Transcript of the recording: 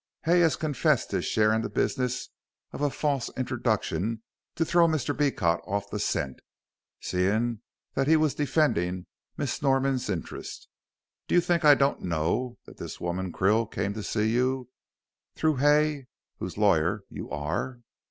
Hay has confessed his share in the business of a false introduction to throw Mr. Beecot off the scent, seeing that he was defending Miss Norman's interests. Do you think I don't know that this woman Krill came to see you, through Hay, whose lawyer you are?